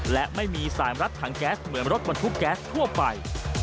และไม่มีสายรัดถังแก๊สเหมือนรถบรรทุกแก๊สทั่วไป